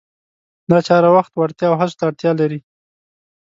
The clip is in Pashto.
دا چاره وخت، وړتیا او هڅو ته اړتیا لري.